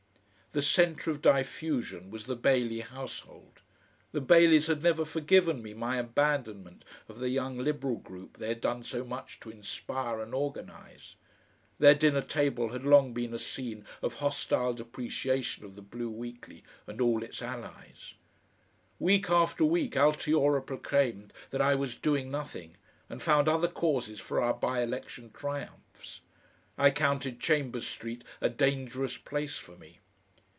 The centre of diffusion was the Bailey household. The Baileys had never forgiven me my abandonment of the young Liberal group they had done so much to inspire and organise; their dinner table had long been a scene of hostile depreciation of the BLUE WEEKLY and all its allies; week after week Altiora proclaimed that I was "doing nothing," and found other causes for our bye election triumphs; I counted Chambers Street a dangerous place for me.